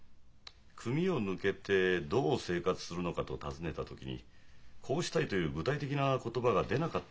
組を抜けてどう生活するのかと尋ねた時にこうしたいという具体的な言葉が出なかったのが引っ掛かるんですがね。